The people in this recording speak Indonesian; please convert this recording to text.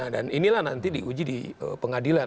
dan inilah nanti diuji di pengadilan